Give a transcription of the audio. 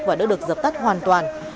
và đã được dập tắt hoàn toàn